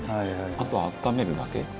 「あとはあっためるだけ？」